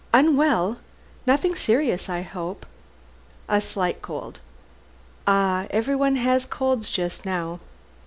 "Unwell. Nothing serious, I hope?" "A slight cold." "Ah! Everyone has colds just now.